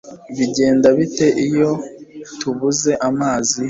Bigenda bite iyo tubuze amazi